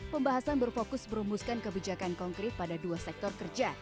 pembahasan berfokus berumuskan kebijakan konkret pada dua sektor kerja